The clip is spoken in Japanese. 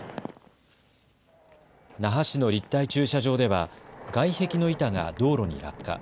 那覇市の立体駐車場では外壁の板が道路に落下。